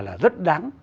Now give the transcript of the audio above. là rất đáng